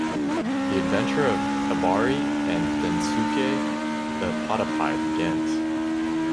The adventure of Hibari and Densuke the PataPi begins.